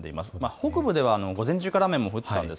北部では午前中から雨も降っていたんです。